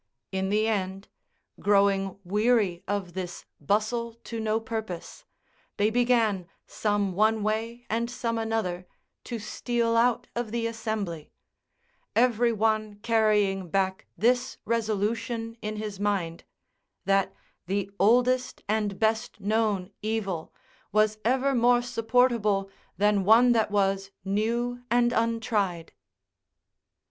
In the end, growing weary of this bustle to no purpose, they began, some one way and some another, to steal out of the assembly: every one carrying back this resolution in his mind, that the oldest and best known evil was ever more supportable than one that was, new and untried.